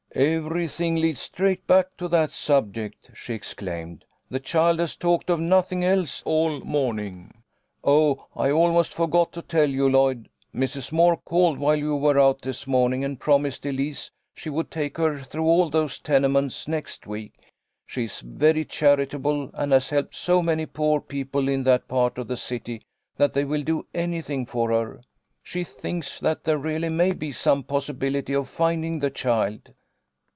" Every thing leads straight back to that subject," she ex claimed. " The child has talked of nothing else all morning. Oh, I almost forgot to tell you, Lloyd. Mrs. Moore called while you were out this morning, and promised Elise she would take her through all those tenements next week. She is very charitable, and has helped so many poor people in that part of the city that they will do anything for her. She LLOYD MAKES A DISCOVERY. 2O3 thinks that there really may be some possibility of finding the child."